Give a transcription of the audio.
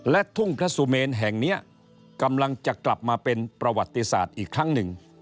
และทุ่งพระสุเมนแห่งนี้กำลังจะกลับมาเป็นประวัติศาสตร์อีกครั้งหนึ่ง